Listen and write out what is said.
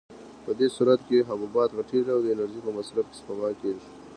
په دې صورت کې حبوبات غټېږي او د انرژۍ په مصرف کې سپما کېږي.